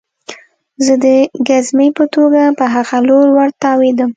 زه د ګزمې په توګه په هغه لور ورتاوېدم